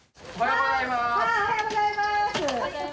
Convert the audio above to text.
ああおはようございます！